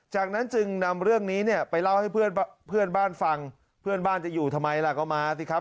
จากนั้นจึงนำเรื่องนี้เนี่ยไปเล่าให้เพื่อนบ้านฟังเพื่อนบ้านจะอยู่ทำไมล่ะก็มาสิครับ